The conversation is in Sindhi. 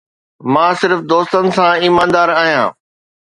مان صرف دوستن سان ايماندار آهيان